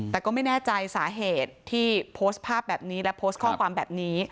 แต่ก็ไม่แน่ใจสาเหตุที่โพสต์ภาพแบบนี้และโพสต์ข้อความแบบนี้